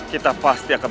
memang ini tidak apa